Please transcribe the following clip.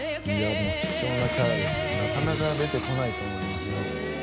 もう貴重なキャラですよなかなか出てこないと思いますよ